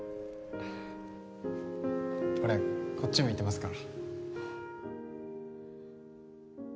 俺こっち向いてますから